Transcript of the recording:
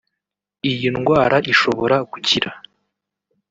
iyi ndwara ishobora gukira